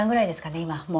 今もう。